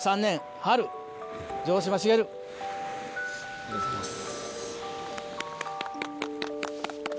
ありがとうございます。